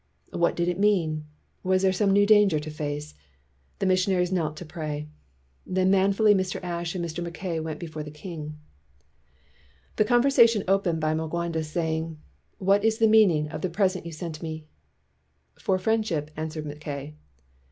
What did it mean? Was there some new danger to face? The missionaries knelt to pray. Then manfully Mr. Ashe and Mr. Mackay went before the king. The conversation opened by Mwanga 's 228 STURDY BLACK CHRISTIANS saying: "What is the meaning of the pres ent you sent me?" "For friendship," answered Mackay.